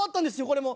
これも。